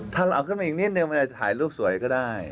ถ้าเราขึ้นมาอีกนิดนึงมันอาจจะถ่ายรูปสวยก็ได้